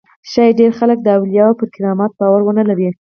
ښایي ډېر خلک د اولیاوو پر کرامت باور ونه لري.